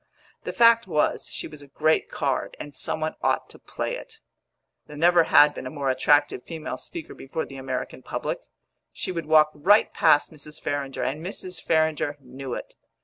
The fact was, she was a great card, and some one ought to play it. There never had been a more attractive female speaker before the American public; she would walk right past Mrs. Farrinder, and Mrs. Farrinder knew it.